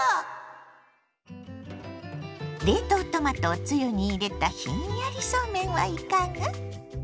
冷凍トマトをつゆに入れたひんやりそうめんはいかが？